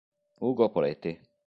Ugo Poletti.